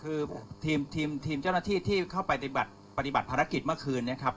คือทีมเจ้าหน้าที่ที่เข้าไปปฏิบัติภารกิจเมื่อคืนนี้ครับ